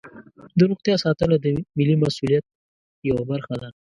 د روغتیا ساتنه د ملي مسؤلیت یوه برخه ده.